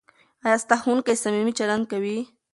ایا ستا ښوونکی صمیمي چلند کوي؟